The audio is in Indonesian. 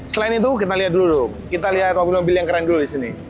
selain itu kita lihat dulu kita lihat mobil mobil yang keren dulu di sini